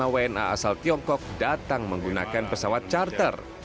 lima wna asal tiongkok datang menggunakan pesawat charter